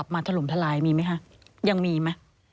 มันยังมีไหม